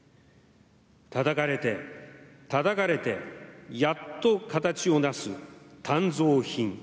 たたかれて、たたかれてやっと形を成す鍛造品。